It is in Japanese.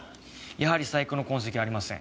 やはり細工の痕跡はありません。